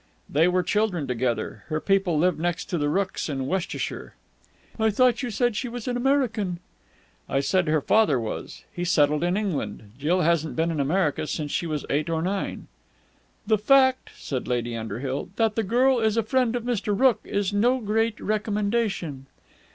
"They were children together. Her people lived next to the Rookes in Worcestershire." "I thought you said she was an American." "I said her father was. He settled in England. Jill hasn't been in America since she was eight or nine." "The fact," said Lady Underhill, "that the girl is a friend of Mr. Rooke is no great recommendation."